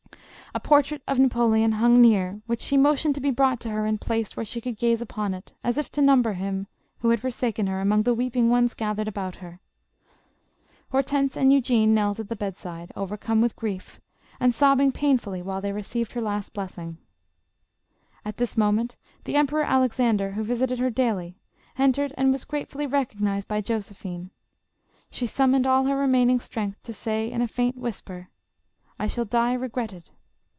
A portrait of Napoleon hung near, which she motioned to be brought to her and placed where she could gaze upon it, as if to number him, who had forsaken her, among the weeping ones gathered about her. llortense and Eugene knelt at the bedside, over come with grief, and sobbing painfully while they re ceived her last blessing. At this moment the Emperor Alexander, who visited her daily, entered and was gratefully recognized by Josephine. She summoned all her remaining strength, to say in a faint whisper, "I shall die regretted.